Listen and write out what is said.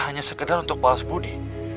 hanya sekedar untuk balas budi